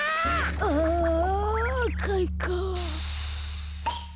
ああかいか。